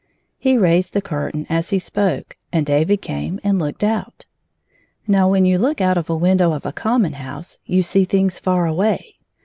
He raised the curtain as he spoke, and David came and looked out. Now, when you look out of a window of a com mon house, you see things far away.